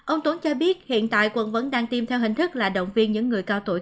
ông tuấn cho biết hiện tại quận vẫn đang tiêm theo hình thức là động viên những người cao tuổi